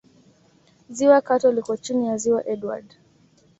Ziwa Katwe liko chini ya Ziwa Edward